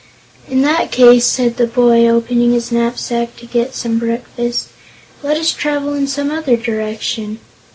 "In that case," said the boy, opening his knapsack to get some breakfast, "let us travel in some other direction."